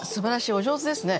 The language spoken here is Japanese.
お上手ですね。